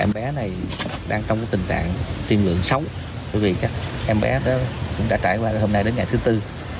bởi vì em bé đã trải qua hôm nay đến ngày thứ tư